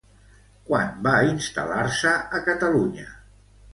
Quan va instal·lar-se a Catalunya?